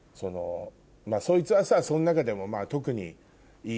そいつはさその中でも特に。